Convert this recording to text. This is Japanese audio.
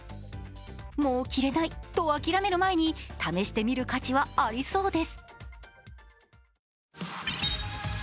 もう着れないと諦める前に試してみる価値はありそうです。